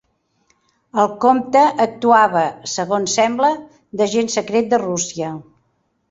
El comte actuava, segons sembla, d'agent secret de Rússia.